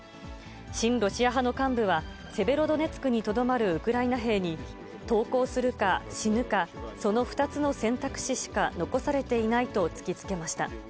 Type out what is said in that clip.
親ロシア派の幹部は、セベロドネツクにとどまるウクライナ兵に、投降するか死ぬかその２つの選択肢しか残されていないと突きつけました。